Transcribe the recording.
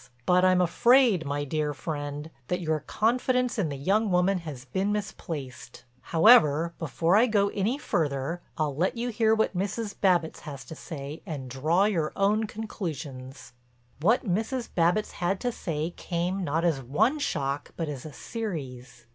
But I'm afraid, my dear friend, that your confidence in the young woman has been misplaced. However, before I go any further I'll let you hear what Mrs. Babbitts has to say and draw your own conclusions." What Mrs. Babbitts had to say came not as one shock but as a series.